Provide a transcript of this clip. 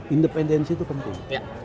independensi itu penting